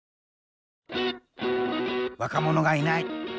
若者がいない。